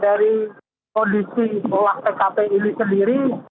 dari kondisi olah tkp ini sendiri